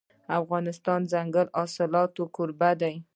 افغانستان د دځنګل حاصلات کوربه دی.